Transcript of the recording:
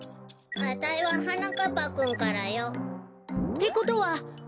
あたいははなかっぱくんからよ。ってことは。